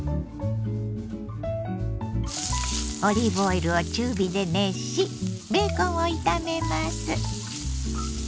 オリーブオイルを中火で熱しベーコンを炒めます。